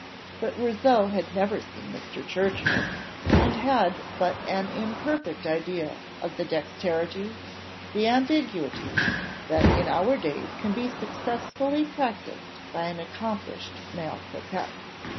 But Rousseau had never seen Mr. Churchill, and had but an imperfect idea of the dexterity, the ambiguity, that in our days can be successfully practised by an accomplished male coquette.